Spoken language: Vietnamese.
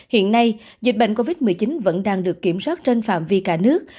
hiện nay dịch bệnh covid một mươi chín vẫn đang được kiểm soát trên phạm vi cả nước